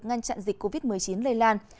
ngăn chặn dịch covid một mươi chín lây lan